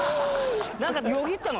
なんかよぎったの？